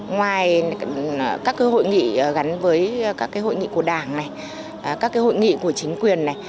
ngoài các hội nghị gắn với các hội nghị của đảng các hội nghị của chính quyền